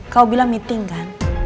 kau bilang meeting kan